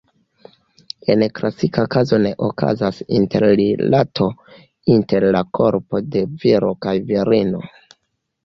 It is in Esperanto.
En klasika kazo ne okazas interrilato inter la korpo de viro kaj virino.